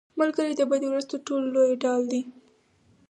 ملګری د بدو ورځو تر ټولو لویه ډال دی